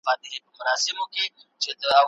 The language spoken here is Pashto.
خپل یاداښتونه له نورو ماخذونو سره مه ګډوئ.